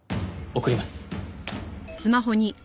送ります。